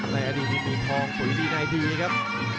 และอันนี้มีมีทองสวยดีในทีครับ